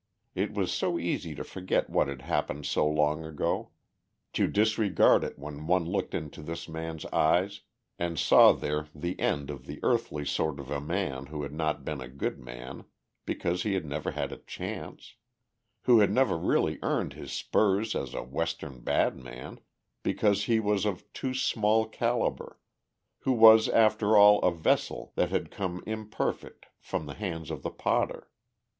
It was so easy to forget what had happened so long ago, to disregard it when one looked into this man's eyes and saw there the end of the earthly story of a man who had not been a good man because he had never had a chance, who had never really earned his spurs as a Western badman, because he was of too small calibre, who was after all a vessel that had come imperfect from the hands of the potter.